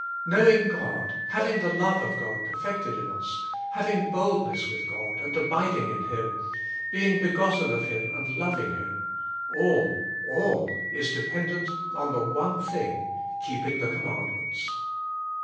Knowing God, having the love of God perfected in us, having boldness with God, and abiding in Him, being begotten of Him and loving Him — all, all, is dependent on the one thing — Keeping the Com mandments.